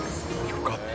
よかった。